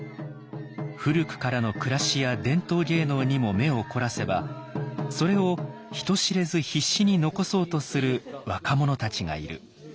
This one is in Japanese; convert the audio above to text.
古くからの暮らしや伝統芸能にも目を凝らせばそれを人知れず必死に残そうとする若者たちがいる。